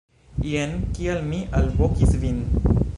Jen kial mi alvokis vin.